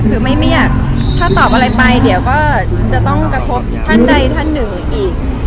คือไม่อยากถ้าตอบอะไรไปเดี๋ยวก็จะต้องกระทบท่านใดท่านหนึ่งอีก